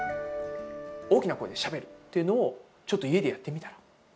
大きな声でしゃべるっていうのを、ちょっと家でやってみたら。